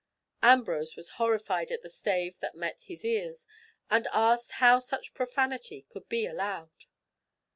Ambrose was horrified at the stave that met his ears, and asked how such profanity could be allowed.